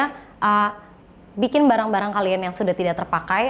membuat barang barang kalian yang sudah tidak terpakai